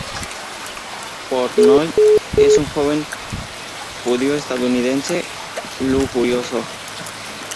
Portnoy es un joven judío-estadounidense lujurioso.